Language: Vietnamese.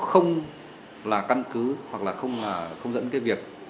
không là căn cứ hoặc không dẫn việc